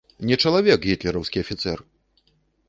Не чалавек гітлераўскі афіцэр!